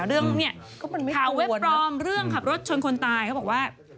เรื่องเนี่ยข่าวเว็บปลอมเรื่องขับรถชนคนตายเขาบอกว่า